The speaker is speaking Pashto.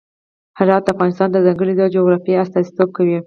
هرات د افغانستان د ځانګړي ډول جغرافیه استازیتوب کوي.